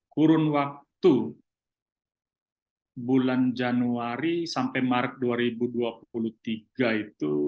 kurun waktu bulan januari sampai maret dua ribu dua puluh tiga itu